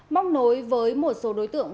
móng nối với một số đối tượng